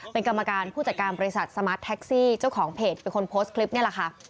เป็นกรรมการผู้จัดการบริษัทสมาร์ทแท็กซี่เจ้าของเพจเป็นคนโพสต์คลิปนี่แหละค่ะ